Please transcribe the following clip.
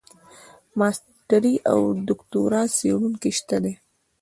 ماسټري او دوکتورا څېړونکي شته دي.